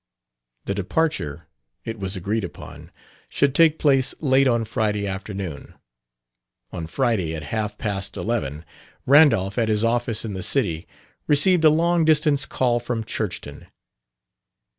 The departure, it was agreed upon, should take place late on Friday afternoon. On Friday, at half past eleven, Randolph at his office in the city, received a long distance call from Churchton.